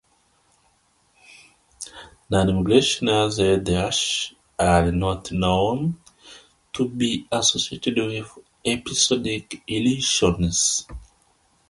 Non-migrainous headaches are not known to be associated with episodic illusions.